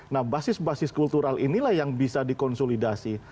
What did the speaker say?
nah basis basis kultural inilah yang bisa dikonsolidasi